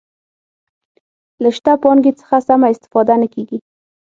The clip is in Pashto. له شته پانګې څخه سمه استفاده نه کیږي.